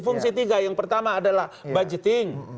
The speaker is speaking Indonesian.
fungsi tiga yang pertama adalah budgeting